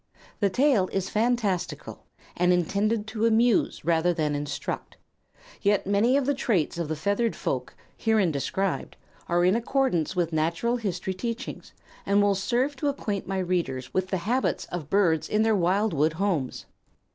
The tale is fantastical, and intended to amuse rather than instruct; yet many of the traits of the feathered folk, herein described, are in strict accordance with natural history teachings and will serve to acquaint my readers with the habits of birds in their wildwood homes.